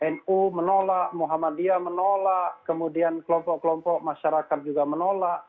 nu menolak muhammadiyah menolak kemudian kelompok kelompok masyarakat juga menolak